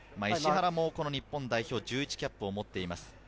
石原も日本代表１１キャップを持っています。